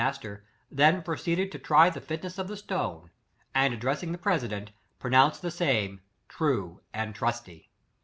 Master, then proceeded to try the fitness of the stone; and, addressing the president, pro nounced the same " true and trusty."